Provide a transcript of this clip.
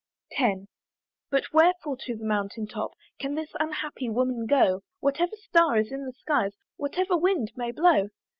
X. "But wherefore to the mountain top "Can this unhappy woman go, "Whatever star is in the skies, "Whatever wind may blow?"